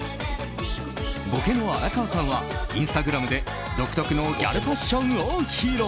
ボケの荒川さんはインスタグラムで独特のギャルファッションを披露。